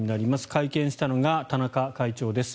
会見したのが田中会長です。